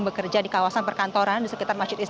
seperti saya atau social distancing